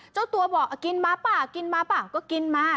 เจ้าตัวบอกกินมาเปล่ากินมาเปล่าก็กินมา